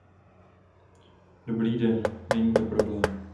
Dobrý den, není to problém.